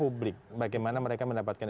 public bagaimana mereka mendapatkan